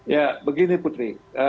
ya begini putri